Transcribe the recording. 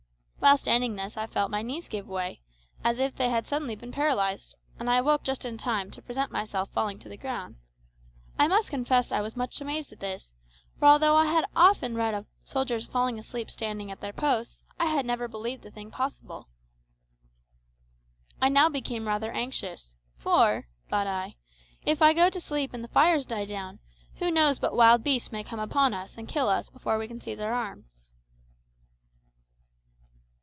While standing thus I felt my knees give way, as if they had been suddenly paralysed, and I awoke just in time to prevent myself falling to the ground. I must confess I was much amazed at this, for although I had often read of soldiers falling asleep standing at their posts, I had never believed the thing possible. I now became rather anxious, "for," thought I, "if I go to sleep and the fires die down, who knows but wild beasts may come upon us and kill us before we can seize our arms."